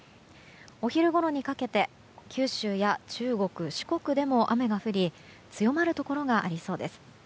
お昼ごろにかけて、九州や中国、四国でも雨が降り強まるところがありそうです。